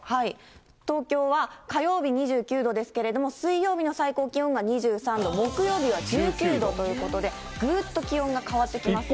東京は火曜日２９度ですけれども、水曜日の最高気温が２３度、木曜日は１９度ということで、ぐーっと気温が変わってきます。